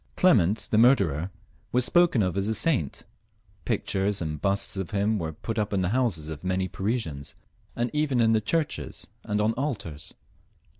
Clement, the murderer, was spoken of as a saint; pictures and busts of him were put up in the houses of many of the Parisians, and even in the churches and on altars.